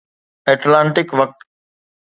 Atlantic وقت